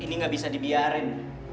ini nggak bisa dibiarkan